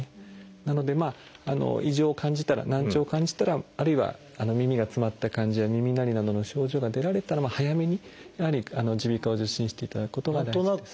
なので異常を感じたら難聴を感じたらあるいは耳が詰まった感じや耳鳴りなどの症状が出られたら早めにやはり耳鼻科を受診していただくことが大事です。